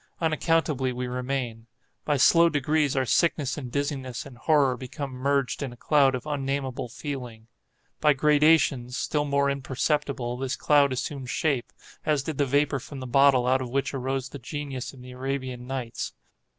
Unaccountably we remain. By slow degrees our sickness and dizziness and horror become merged in a cloud of unnamable feeling. By gradations, still more imperceptible, this cloud assumes shape, as did the vapor from the bottle out of which arose the genius in the Arabian Nights.